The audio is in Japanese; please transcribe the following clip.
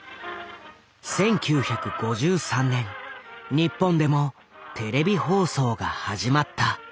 １９５３年日本でもテレビ放送が始まった。